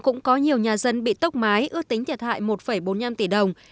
cũng có nhiều nhà dân bị tốc mái ước tính thiệt hại một bốn mươi năm tỷ đồng